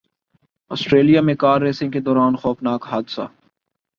Australia میں car racing کے دوران خوفناک حادثہ